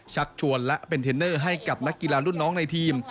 ชักชวนและเป็นเทรนเนอร์ให้กับนักกีฬารุ่นน้องในทีม